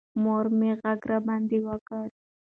مور مې غږ راباندې وکړ.